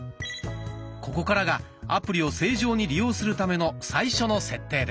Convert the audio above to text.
ここからがアプリを正常に利用するための最初の設定です。